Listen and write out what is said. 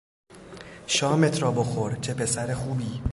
شامت را بخور - چه پسر خوبی!